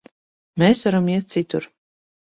Mēs varam iet citur.